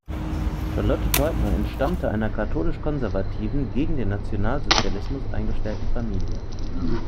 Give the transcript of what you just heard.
Charlotte Teuber entstammte einer katholisch-konservativen, gegen den Nationalsozialismus eingestellten Familie.